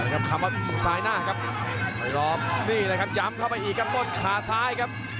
คามพับของสายหน้าครับทายลอฟนี่แหละครับย้ำเข้าไปอีกครับต้นขาซ้ายครับ